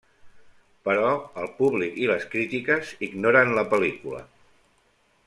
Però el públic i les crítiques ignoren la pel·lícula.